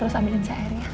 terus ambilin cair ya